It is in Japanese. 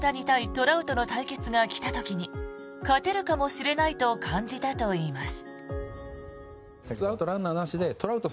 トラウトの対決が来た時に勝てるかもしれないと感じたといいます。